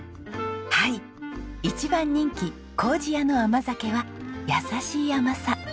はい一番人気糀屋の甘酒は優しい甘さ。